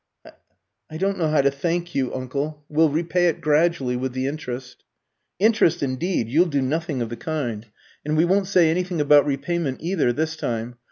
"I I don't know how to thank you, uncle; we'll repay it gradually, with the interest." "Interest, indeed; you'll do nothing of the kind. And we won't say anything about repayment either, this time.